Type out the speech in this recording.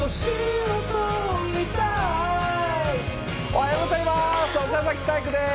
おはようございます！